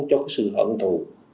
cho cái sự hận thù